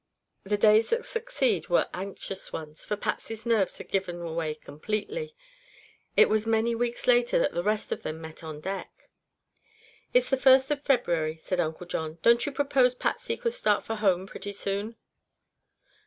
The days that succeed were anxious ones, for Patsy's nerves had given away completely. It was many weeks later that the rest of them met on deck. "It's the first of February," said Uncle John. "Don't you suppose Patsy could start for home pretty soon?"